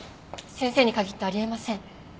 先生に限ってあり得ません。